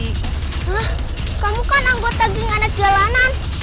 hah kamu kan anggota ging anak jalanan